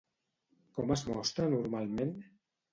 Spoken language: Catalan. Com és mostra normalment?